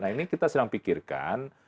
nah ini kita sedang pikirkan